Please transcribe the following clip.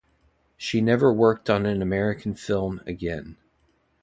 She never worked on an American film again.